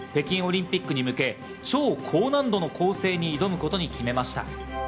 北京オリンピックに向け、超高難度の構成に挑むことに決めました。